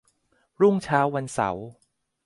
รุ่งเช้าวันเสาร์